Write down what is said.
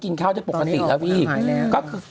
คุณหนุ่มกัญชัยได้เล่าใหญ่ใจความไปสักส่วนใหญ่แล้ว